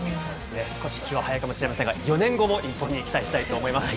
少し気は早いかもしれませんが４年後も期待したいと思います。